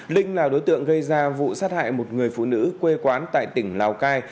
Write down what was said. linh là đối tượng gây ra vụ sát hại một người phụ nữ quê quán tại tỉnh lào cai